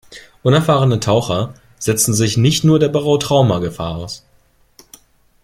Unerfahrene Taucher setzten sich nicht nur der Barotrauma-Gefahr aus.